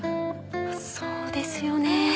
そうですよね。